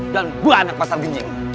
dan gue anak pasar genjing